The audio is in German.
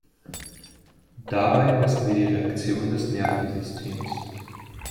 Dabei messen wir die Reaktion des Nervensystems.